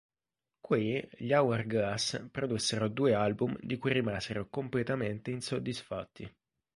Qui gli Hour Glass produssero due album di cui rimasero completamente insoddisfatti.